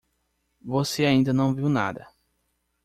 Você ainda não viu nada.